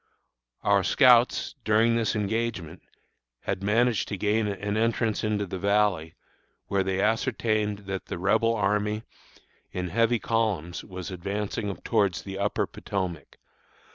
Our scouts, during this engagement, had managed to gain an entrance into the Valley, where they ascertained that the Rebel army, in heavy columns, was advancing towards the Upper Potomac.